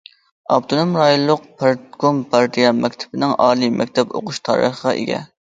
ئاپتونوم رايونلۇق پارتكوم پارتىيە مەكتىپىنىڭ ئالىي مەكتەپ ئوقۇش تارىخىغا ئىگە.